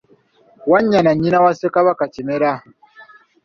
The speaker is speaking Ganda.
Wanyana nnyina wa Ssekabaka Kimera .